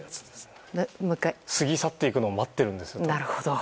過ぎ去っていくのを待っているんですよ。